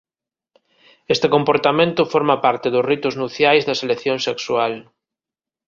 Este comportamento forma parte dos ritos nupciais da selección sexual.